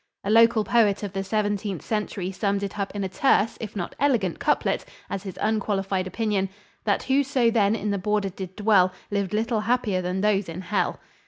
A local poet of the Seventeenth Century summed it up in a terse if not elegant couplet as his unqualified opinion "That whoso then in the border did dwell Lived little happier than those in hell."